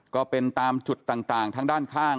ก็เป็นตามจุดต่างทางด้านข้าง